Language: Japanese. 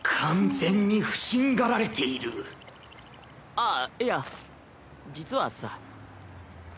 あっいや実はさ。